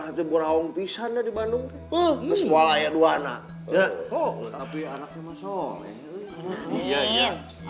nanti berawang pisahnya di bandung semuanya dua anak ya oh tapi anaknya masyarakat